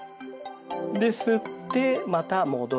で吸ってまた戻る。